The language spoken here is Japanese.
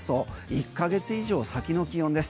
１ヶ月以上先の気温です。